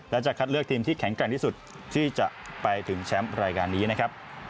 และจะคัดเลือกทีมที่แข็งแกร่งที่สุดที่จะไปถึงแชมป์รายการนี้นะครับ